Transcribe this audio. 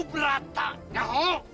berat taknya ho